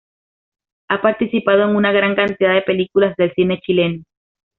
Ha participado en una gran cantidad de películas del cine chileno.